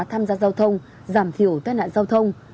tham gia giao thông giảm thiểu tai nạn giao thông